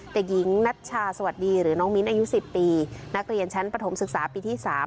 เด็กหญิงนัชชาสวัสดีหรือน้องมิ้นอายุ๑๐ปีนักเรียนชั้นปฐมศึกษาปีที่๓